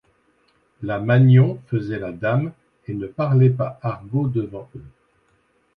La Magnon faisait la dame et ne parlait pas argot devant eux.